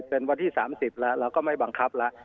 เป็นวันที่๓๐แล้วเราก็ไม่บังคับแล้ว